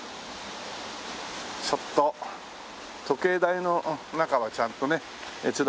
ちょっと時計台の中はちゃんとね閲覧できる。